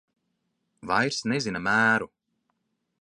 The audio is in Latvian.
Vairs nezina mēru.